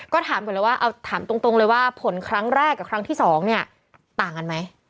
ก็ถามตรงเลยว่าผลครั้งแรกกับครั้งที่๒ต่างันไหม